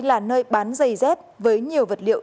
là nơi bán dây dép với nhiều vật liệu